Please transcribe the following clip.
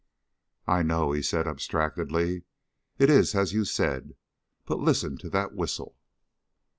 "I know," he said abstractedly. "It's as you said. But listen to that whistle."